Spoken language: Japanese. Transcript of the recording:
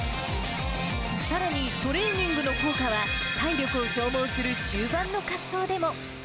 さらに、トレーニングの効果は体力を消耗する終盤の滑走でも。